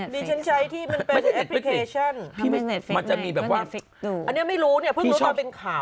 ดิฉันใช้ที่มันเป็นแอปพลิเคชันมันจะมีแบบว่าอันนี้ไม่รู้เนี่ยเพิ่งรู้ตอนเป็นข่าว